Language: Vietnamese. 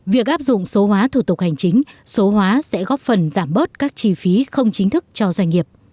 việc áp dụng số hóa thủ tục hành chính số hóa sẽ góp phần giảm bớt các chi phí không chính thức cho doanh nghiệp